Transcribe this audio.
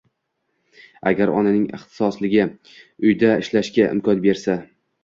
Agar onaning ixtisosligi uyda ishlashiga imkon bersa